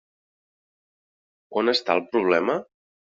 On està el problema?